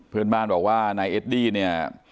เพื่อนบ้านบอกว่านายเอดดี้เนี่ย